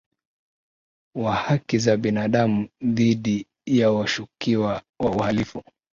wa haki za binadamu dhidi ya washukiwa wa uhalifu